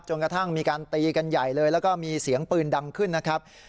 กระทั่งมีการตีกันใหญ่เลยแล้วก็มีเสียงปืนดังขึ้นนะครับ